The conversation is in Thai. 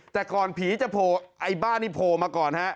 แต่ก่อนผีจะโผล่ไอ้บ้านนี่โผล่มาก่อนฮะ